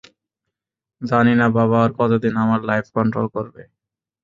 জানি না, বাবা আর কতদিন আমার লাইফ কন্ট্রল করবে?